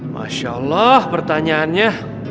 masya allah pertanyaannya